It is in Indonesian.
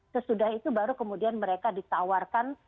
sesudah itu baru kemudian mereka ditawarkan